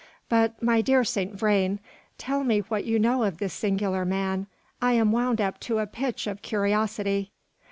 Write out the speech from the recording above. "But, my dear Saint Vrain, tell me what you know of this singular man. I am wound up to a pitch of curiosity."